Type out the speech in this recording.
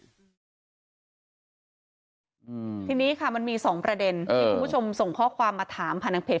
อืมทีนี้ค่ะมันมีสองประเด็นที่คุณผู้ชมส่งข้อความมาถามผ่านทางเพจ